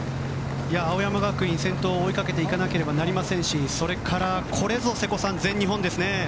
青山学院先頭を追いかけていかなければなりませんしそれから、これぞ瀬古さん全日本ですね。